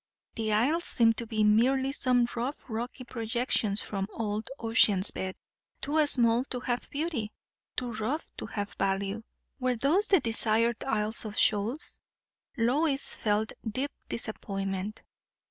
The Isles seemed to be merely some rough rocky projections from old Ocean's bed, too small to have beauty, too rough to have value. Were those the desired Isles of Shoals? Lois felt deep disappointment.